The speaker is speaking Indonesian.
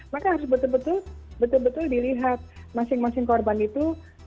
maka harus betul betul betul betul dilihat masing masing korban itu